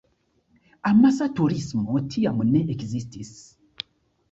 Amasa turismo tiam ne ekzistis.